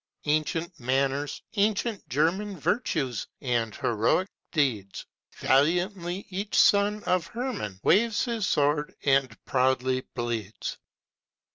Ancient manners, ancient German Virtues, and heroic deeds! Valiantly each son of Hermann Waves his sword and proudly bleeds.